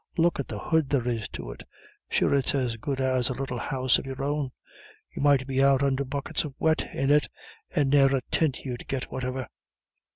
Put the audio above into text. Look at the hood there is to it. Sure it's as good as a little house of your own. You might be out under buckets of wet in it, and ne'er a tint you'd git whatever."